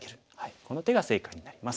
この手が正解になります。